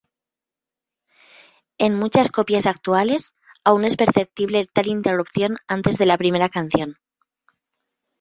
En muchas copias actuales aún es perceptible tal interrupción antes de la primera canción.